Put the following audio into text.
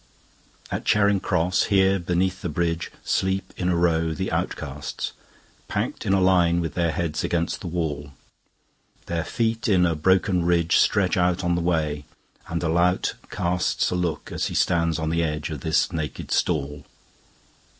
At Charing Cross, here, beneath the bridgeSleep in a row the outcasts, Packed in a line with their heads against the wall. Their feet, in a broken ridgeStretch out on the way, and a lout castsA look as he stands on the edge of this naked stall.